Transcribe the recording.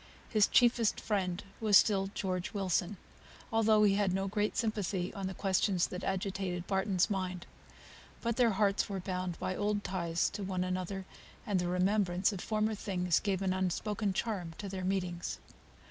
His chiefest friend was still George Wilson, although he had no great sympathy on the questions that agitated Barton's mind. Still their hearts were bound by old ties to one another, and the remembrance of former times gave an unspoken charm to their meetings.